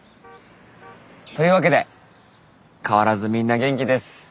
というわけで変わらずみんな元気です。